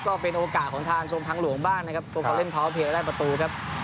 ก็เป็นโอกาสของทางทางหลวงบ้านนะครับก็เขาเล่นได้ประตูครับ